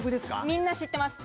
みんな知ってます。